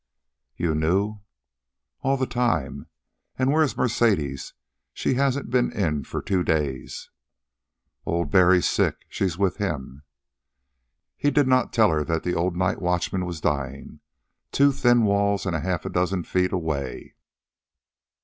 "You knew?" "All the time. And where is Mercedes? She hasn't been in for two days." "Old Barry's sick. She's with him." He did not tell her that the old night watchman was dying, two thin walls and half a dozen feet away.